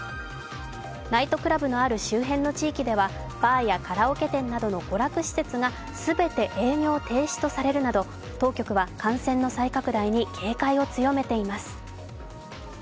ナイトクラブのある周辺の地域ではバーやカラオケ店などの娯楽施設が全て営業停止とされるなど当局は感染の再拡大に警戒を強めています。